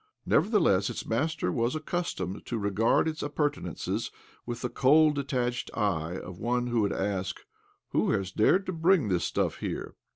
Nevertheless, its master was accustomed to regard its appurtenances with the cold, de tached eye of one who would ask, " Who has dared to bring this stuff here?"